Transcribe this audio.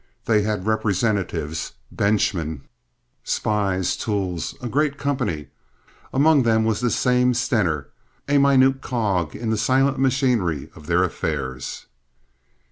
They had representatives, benchmen, spies, tools—a great company. Among them was this same Stener—a minute cog in the silent machinery of their affairs.